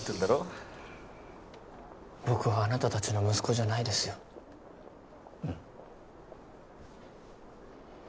僕はあなた達の息子じゃないですようん